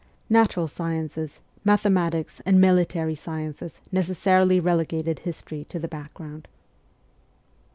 Natural sciences, mathematics, and military sciences necessarily relegated history to the background.